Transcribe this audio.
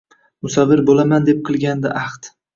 Musavvir bo’laman deb qilgandi ahd